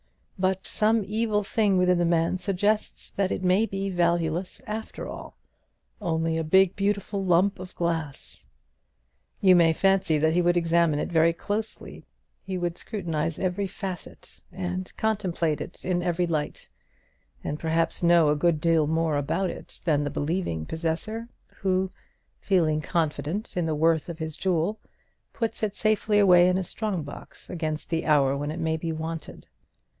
But some evil thing within the man suggests that it may be valueless after all only a big beautiful lump of glass. You may fancy that he would examine it very closely; he would scrutinize every facet, and contemplate it in every light, and perhaps know a good deal more about it than the believing possessor, who, feeling confident in the worth of his jewel, puts it safely away in a strong box against the hour when it may be wanted.